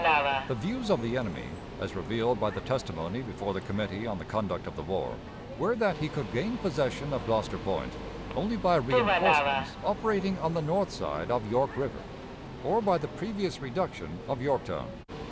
The views of the enemy, as revealed by the testimony before the Committee on the Conduct of the War, were that he could gain possession of Gloucester Point only by reënforcements operating on the north side of York River, or by the previous reduction of Yorktown.